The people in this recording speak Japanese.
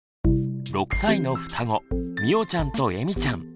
６歳の双子みおちゃんとえみちゃん。